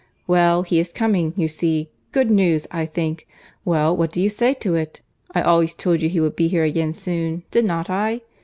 "Well, he is coming, you see; good news, I think. Well, what do you say to it?—I always told you he would be here again soon, did not I?